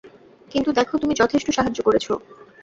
কিন্তু দেখো, তুমি যথেষ্ট সাহায্য করেছো।